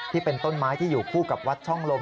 ที่เป็นต้นไม้ที่อยู่คู่กับวัดช่องลม